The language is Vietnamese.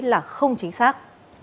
là không chính xác